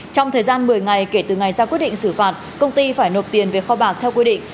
trong thời gian một mươi ngày kể từ ngày ra quyết định xử phạt công ty phải nộp tiền về kho bạc theo quy định